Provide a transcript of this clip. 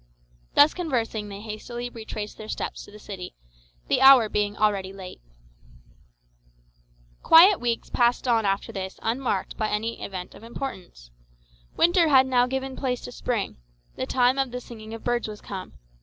Thus conversing they hastily retraced their steps to the city, the hour being already late. Quiet weeks passed on after this unmarked by any event of importance. Winter had now given place to spring; the time of the singing of birds was come.